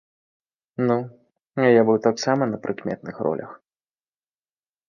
Ну, а я быў таксама на прыкметных ролях.